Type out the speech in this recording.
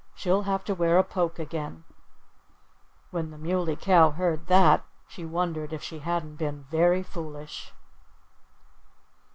"She'll have to wear a poke again." When the Muley Cow heard that she wondered if she hadn't been very foolish.